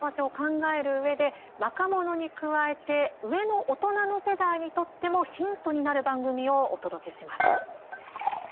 若い世代の幸せを考えるうえで若者に加えて、上の大人の世代にとっても、ヒントになる番組をお届けします。